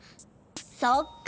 そっか。